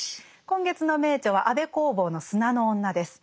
今月の名著は安部公房の「砂の女」です。